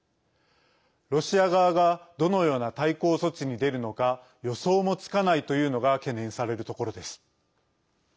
ロシア側がどのような対抗措置に出るのか予想もつかないというのが懸念されるところです。